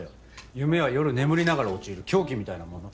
夢は夜眠りながら陥る狂気みたいなもの。